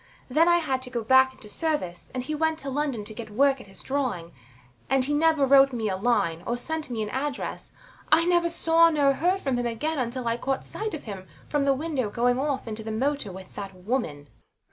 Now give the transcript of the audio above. Then I had to go back into service, and he went to London to get work at his drawing; and he never wrote me a line or sent me an address. I never saw nor heard of him again until I caught sight of him from the window going off in the motor with that woman. SIR PATRICK.